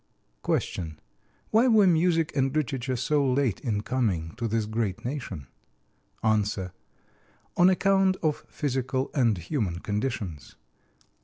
Q. Why were music and literature so late in coming to this great nation? A. On account of physical and human conditions.